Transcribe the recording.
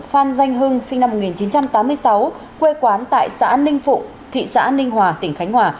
phan danh hưng sinh năm một nghìn chín trăm tám mươi sáu quê quán tại xã ninh phụng thị xã ninh hòa tỉnh khánh hòa